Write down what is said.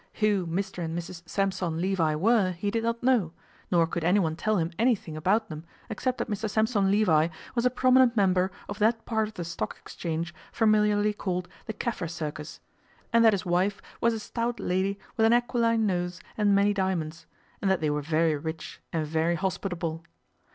Who Mr and Mrs Sampson Levi were he did not know, nor could anyone tell him anything about them except that Mr Sampson Levi was a prominent member of that part of the Stock Exchange familiarly called the Kaffir Circus, and that his wife was a stout lady with an aquiline nose and many diamonds, and that they were very rich and very hospitable.